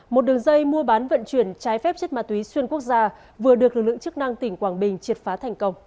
một đường dây mua bán vận chuyển trái phép chất ma túy xuyên quốc gia vừa được lực lượng chức năng tỉnh quảng bình triệt phá thành công